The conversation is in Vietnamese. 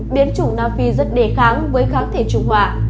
biến chủng nam phi rất đề kháng với kháng thể trùng họa